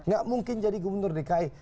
gak mungkin jadi gubernur dki